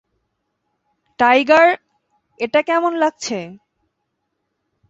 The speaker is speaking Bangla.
টাইগার, এটা কেমন লাগছে?